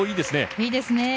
いいですね。